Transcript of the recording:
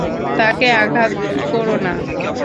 তাকে আঘাত কোরো না!